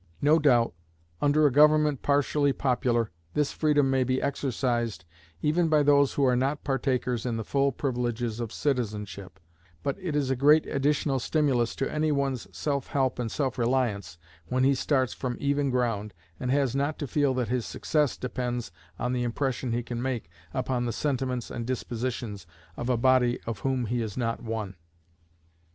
No doubt, under a government partially popular, this freedom may be exercised even by those who are not partakers in the full privileges of citizenship; but it is a great additional stimulus to any one's self help and self reliance when he starts from even ground, and has not to feel that his success depends on the impression he can make upon the sentiments and dispositions of a body of whom he is not one.